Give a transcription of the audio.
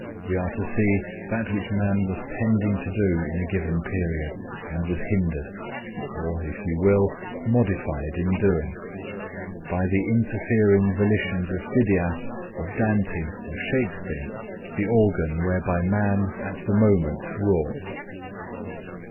We are to see that which man was tending to do in a given period, and was hindered, or, if you will, modified in doing, by the interfering volitions of Phidias, of Dante, of Shakspeare, the organ whereby man at the moment wrought.